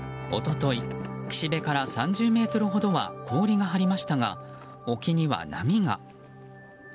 一昨日、岸辺から３０ｍほどは氷が張りましたが沖には波が。